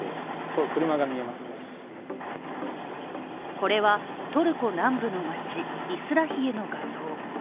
これはトルコ南部の町、イスラヒエの画像。